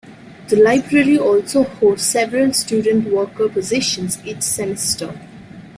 The Library also hosts several student-worker positions each semester.